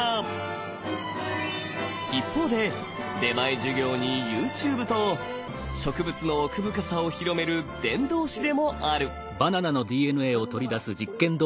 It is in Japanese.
一方で出前授業にＹｏｕＴｕｂｅと植物の奥深さを広める伝道師でもある。